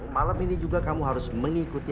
malam ini juga kamu harus mengikuti